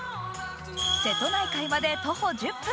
瀬戸内海まで徒歩１０分。